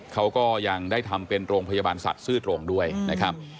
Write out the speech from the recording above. เขาก็ยังได้ทำเป็นโรงพยาบาลสัตว์ซื่อตรงด้วยนะครับ